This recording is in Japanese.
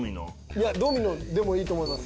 いやドミノでもいいと思います。